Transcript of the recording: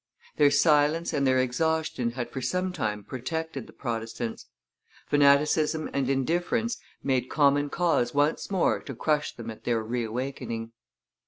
Their silence and their exhaustion had for some time protected the Protestants; fanaticism and indifference made common cause once more to crush them at their reawakening.